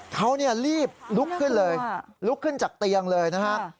เขารีบลุกขึ้นเลยลุกขึ้นจากเตียงเลยนะฮะ